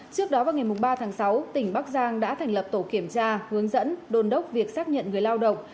trước đó vào ngày ba tháng sáu tỉnh bắc giang đã thành lập tổ kiểm tra hướng dẫn đồn đốc việc xác nhận người lao động